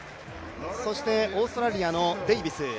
オーストラリアのデイビス